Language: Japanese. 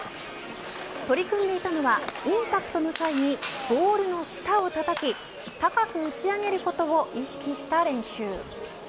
取り組んでいたのはインパクトの際にボールの下をたたき高く打ち上げることを意識した練習。